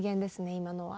今のは。